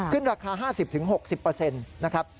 ขึ้นราคา๕๐๖๐เปอร์เซ็นต์นะครับ